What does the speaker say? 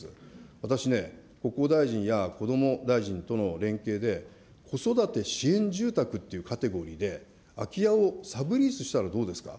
私ね、国交大臣やこども大臣との連携で、子育て支援住宅っていうカテゴリーで、空き家をサブリースしたらどうですか。